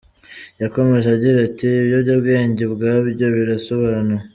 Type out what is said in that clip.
Yakomeje agira ati :" Ibiyobyabwenge ubwabyo birisobanuye.